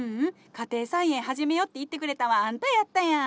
「家庭菜園始めよう」って言ってくれたんはあんたやったやん！